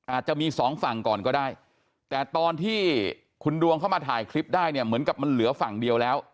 อาจจะมีสองฝั่งก่อนก็ได้แต่ตอนที่คุณดวงเข้ามาถ่ายคลิปได้เนี่ยเหมือนกับมันเหลือฝั่งเดียวแล้ว